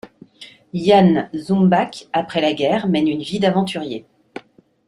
Jan Zumbach, après la guerre, mène une vie d'aventurier.